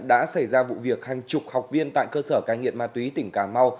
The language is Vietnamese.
đã xảy ra vụ việc hàng chục học viên tại cơ sở cai nghiện ma túy tỉnh cà mau